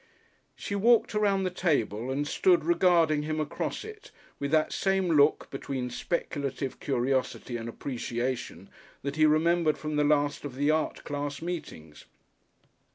She walked around the table and stood regarding him across it, with that same look between speculative curiosity and appreciation that he remembered from the last of the art class meetings.